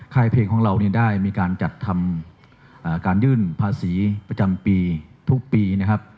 เพลงของเราเนี่ยได้มีการจัดทำการยื่นภาษีประจำปีทุกปีนะครับ